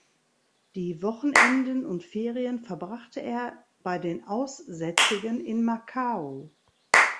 Die Wochenenden und Ferien verbrachte er bei den Aussätzigen in Macau.